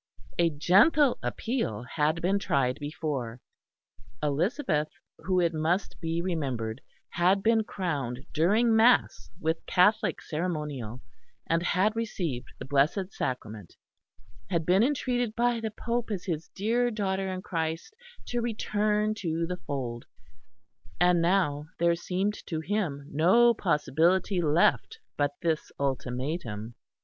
A gentle appeal had been tried before; Elizabeth, who, it must be remembered had been crowned during mass with Catholic ceremonial, and had received the Blessed Sacrament, had been entreated by the Pope as his "dear daughter in Christ" to return to the Fold; and now there seemed to him no possibility left but this ultimatum.